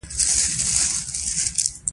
ته کولای شې شکایت وکړې چې ګلان اغزي لري.